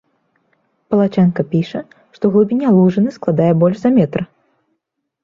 Палачанка піша, што глыбіня лужыны складае больш за метр.